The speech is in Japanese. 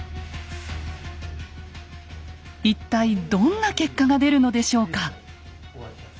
一体どんな結果が出るのでしょうか。